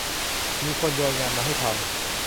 มีคนโยนงานมาให้ทำ